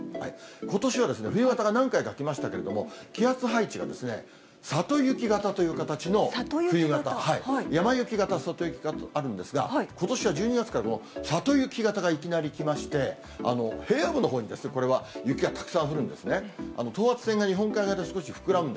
ことしは、冬型が何回か来ましたけれども、気圧配置が里雪型という形の冬型、山雪型、里雪型とあるんですが、ことしは１２月、里雪型が急にきまして、平野部のほうに雪がたくさん降るんですね。